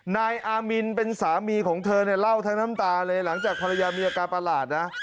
นายอามินเป็นสามีของเธอเนี่ยเล่าทั้งน้ำตาเลยหลังจากภรรยามีอาการประหลาดนะ